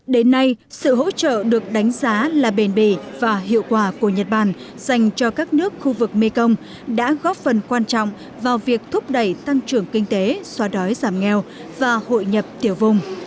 đến nay sự hỗ trợ được đánh giá là bền bỉ và hiệu quả của nhật bản dành cho các nước khu vực mekong đã góp phần quan trọng vào việc thúc đẩy tăng trưởng kinh tế xóa đói giảm nghèo và hội nhập tiểu vùng